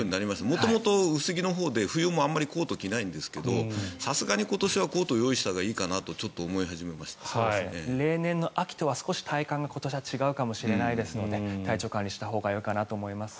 元々、薄着のほうで冬もあまりコートを着ないんですけどさすがに今年はコートを用意したほうがいいかなと例年の秋とは体幹が今年は違うかもしれないですので体調管理をしたほうがよいかなと思います。